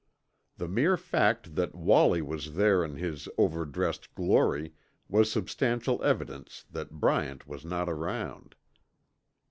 The mere fact that Wallie was there in his overdressed glory was substantial evidence that Bryant was not around.